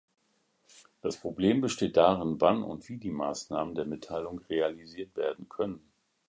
Das Problem besteht darin, wann und wie die Maßnahmen der Mitteilung realisiert werden können.